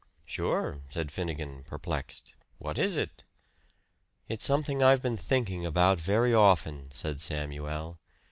"Sure," said Finnegan perplexed. "What is it?" "It's something I've been thinking about very often," said Samuel.